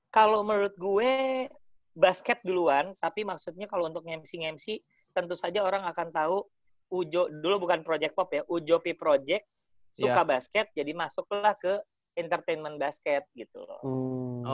kalau menurut gue basket duluan tapi maksudnya kalau untuk nge mc nge mc tentu saja orang akan tahu ujo dulu bukan project pop ya ujo p project suka basket jadi masuklah ke entertainment basket gitu loh